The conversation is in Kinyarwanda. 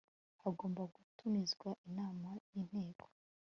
hagomba gutumizwa inama y inteko